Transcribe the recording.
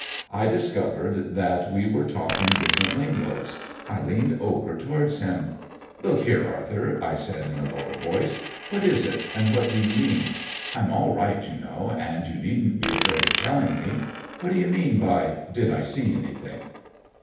I discovered that we were talking different lingoes. I leaned over towards him. "Look here, Arthur," I said in a lower voice, "what is it, and what do you mean? I'm all right, you know, and you needn't be afraid of telling me. What d'you mean by did I see anything?"